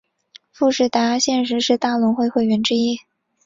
富士达现时是大轮会会员之一。